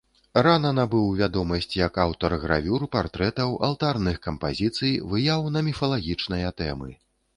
Рана набыў вядомасць як аўтар гравюр, партрэтаў, алтарных кампазіцый, выяў на міфалагічныя тэмы.